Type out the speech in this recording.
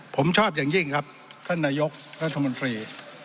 ผมชอบอย่างยิ่งครับท่านนายกรัฐมนตรี